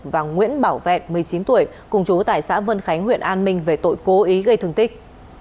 và nguyễn bảo vẹn một mươi chín tuổi cùng chú tại xã vân khánh huyện an minh về tội cố ý gây thương tích